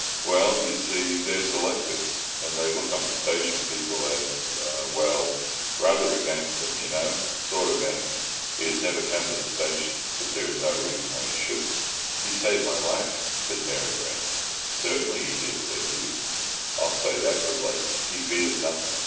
"Well, you see, they're selectors, and they look on the station people as—well, rather against them, you know—sort of enemies—and he has never come to the station. But there is no reason why he shouldn't." "He saved my life," said Mary Grant. "Certainly he did," said Hugh. "I'll say that for Blake, he fears nothing.